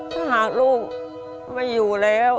ถ้าหากลูกไม่อยู่แล้ว